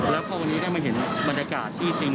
แล้วพอวันนี้ได้มาเห็นบรรยากาศที่จริง